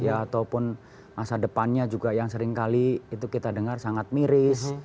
ataupun masa depannya juga yang seringkali itu kita dengar sangat miris